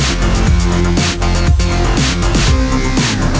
หมดเวลาค่ะ